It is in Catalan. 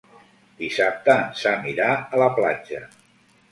Dissabte en Sam irà a la platja.